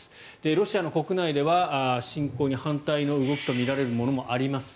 ロシアの国内では侵攻の反対の動きとみられるものもあります。